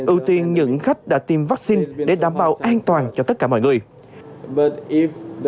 ưu tiên những khách đã tiêm vaccine để đảm bảo an toàn cho tất cả mọi người